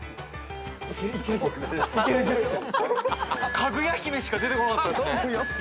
『かぐや姫』しか出てこなかったですね。